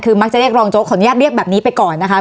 คือมักจะเรียกรองโจ๊กขออนุญาตเรียกแบบนี้ไปก่อนนะคะ